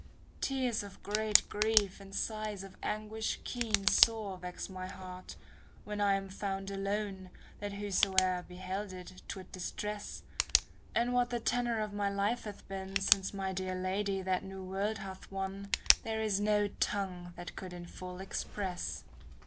Tears of great grief and sighs of anguish keen Sore vex my heart, when I am found alone, That whosoe'er beheld it, 'twould distress : And what the tenor of my life hath been, ^ Since my dear Lady that new world hath won, There is no tongue that could in full express.